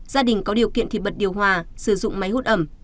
gia đình có điều kiện thịt bật điều hòa sử dụng máy hút ẩm